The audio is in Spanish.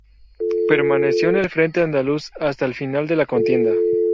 Permaneció en el frente andaluz hasta el final de la contienda.